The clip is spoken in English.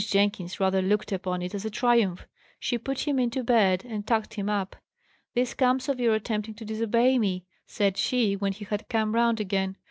Jenkins rather looked upon it as a triumph. She put him into bed, and tucked him up. "This comes of your attempting to disobey me!" said she, when he had come round again.